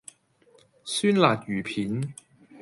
酸辣魚片